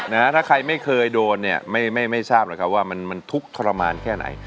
นะฮะถ้าใครไม่เคยโดนเนี่ยไม่ทราบเลยครับว่ามันทุกข์ทรมานแค่ไหน